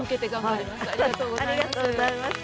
ありがとうございます。